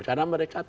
karena mereka tahu